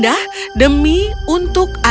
dan aku akan menjaga diriku tetap seimbang